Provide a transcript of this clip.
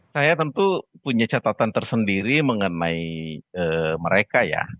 saya tentu punya catatan tersendiri mengenai mereka ya